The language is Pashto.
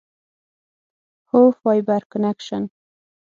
هو، فایبر کنکشن